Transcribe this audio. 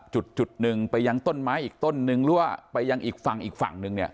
จุดจุดหนึ่งไปยังต้นไม้อีกต้นนึงหรือว่าไปยังอีกฝั่งอีกฝั่งนึงเนี่ย